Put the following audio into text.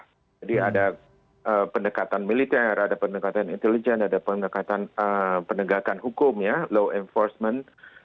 jadi ada pendekatan militer ada pendekatan intelijen ada pendekatan pendegakan hukum ya law enforcement